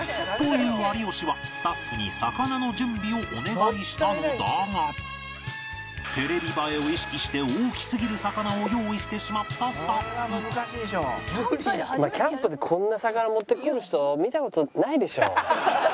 言う有吉はスタッフに魚の準備をお願いしたのだがテレビ映えを意識して大きすぎる魚を用意してしまったスタッフキャンプでこんな魚持ってくる人見た事ないでしょ？